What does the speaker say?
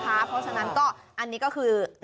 เพราะฉะนั้นก็อันนี้ก็คือ